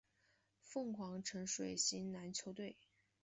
凤凰城水星篮球队。